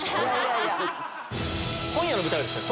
今夜の舞台はですね